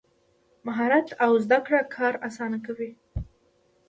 مهارت او زده کړه کار اسانه کوي.